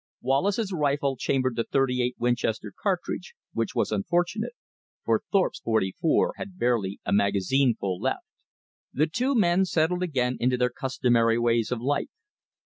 Wallace's rifle chambered the .38 Winchester cartridge, which was unfortunate, for Thorpe's .44 had barely a magazineful left. The two men settled again into their customary ways of life.